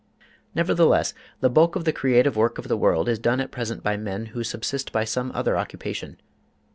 Nevertheless, the bulk of the creative work of the world is done at present by men who subsist by some other occupation.